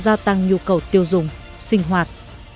gia tăng nhu cầu tiêu dùng sinh hoạt